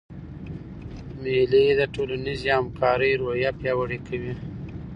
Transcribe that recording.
مېلې د ټولنیزي همکارۍ روحیه پیاوړې کوي.